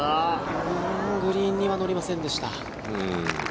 グリーンには乗りませんでした。